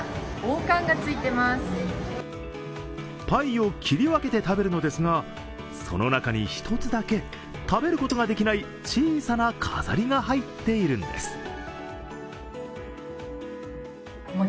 パイを切り分けて食べるのですがその中に１つだけ、食べることができない小さな飾りが入っているんです。